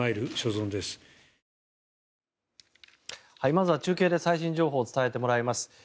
まずは中継で最新情報を伝えてもらいます。